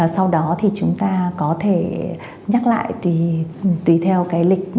sau đó thì chúng ta có thể nhắc lại tùy theo cái lịch